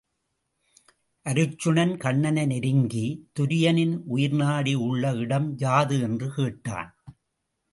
அருச்சுனன் கண்ணனை நெருங்கித் துரியனின் உயிர் நாடி உள்ள இடம் யாது? என்று கேட்டான்.